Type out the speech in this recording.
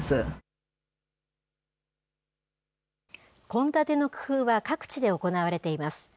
献立の工夫は各地で行われています。